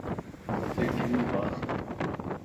ھتي ڪِني ڀاسَ ئي.